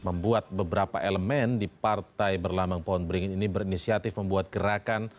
membuat beberapa elemen di partai berlambang pohon beringin ini berinisiatif membuat gerakan